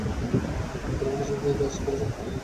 পূর্বে কিছুদিন এই জার্সি পরেছিলেন হেনরিক লারসন।